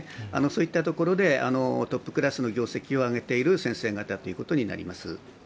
そういったところでトップクラスの業績を挙げている先生方となります。